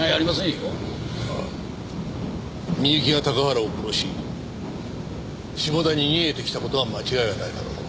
みゆきが高原を殺し下田に逃げてきた事は間違いはないだろう。